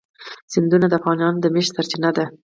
سیندونه د افغانانو د معیشت سرچینه ده.